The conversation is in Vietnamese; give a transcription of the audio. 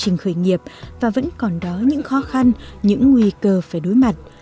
hành trình khởi nghiệp và vẫn còn đó những khó khăn những nguy cơ phải đối mặt